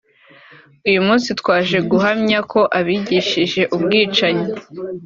uyu munsi twaje guhamya ko abigishije ubwicanyi